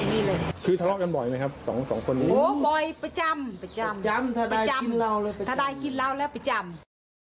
มีให้และไปกันหมด